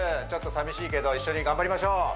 ちょっと寂しいけど一緒に頑張りましょう！